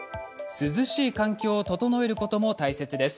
涼しい環境を整えることも大切です。